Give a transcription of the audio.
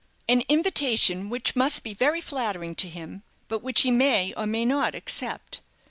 "An invitation which must be very flattering to him, but which he may or may not accept.